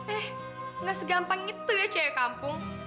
eh nggak segampang itu ya cewek kampung